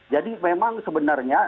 jadi memang sebenarnya